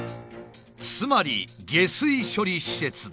つまり下水処理施設です。